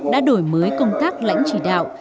đã đổi mới công tác lãnh chỉ đạo